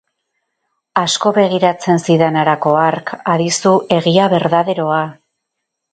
Asko begiratzen zidan harako hark, adizu, egia berdaderoa.